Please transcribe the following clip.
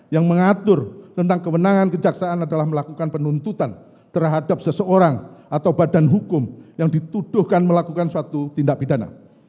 yang mengatur tentang kewenangan kejaksaan adalah melakukan penuntutan terhadap seseorang atau badan hukum yang dituduhkan melakukan suatu tindak pidana